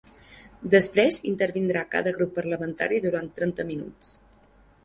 Després intervindrà cada grup parlamentari durant trenta minuts.